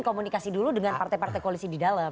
komunikasi dulu dengan partai partai koalisi di dalam